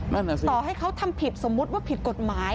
ต่อให้เขาทำผิดสมมติว่าผิดกฎหมาย